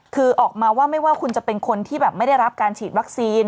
คือออกมาว่าไม่ว่าคุณจะเป็นคนที่แบบไม่ได้รับการฉีดวัคซีน